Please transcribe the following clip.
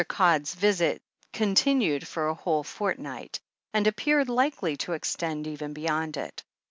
Gxid's visit continued for a whole fortnight, and appeared likely to extend even beyond it.